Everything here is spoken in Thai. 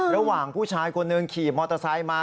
ระหว่างผู้ชายคนหนึ่งขี่มอเตอร์ไซค์มา